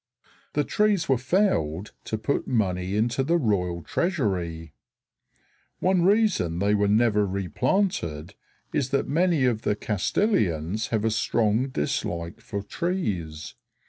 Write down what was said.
The trees were felled to put money into the royal treasury. One reason they were never replanted is that many of the Castilians have a strong dislike for trees.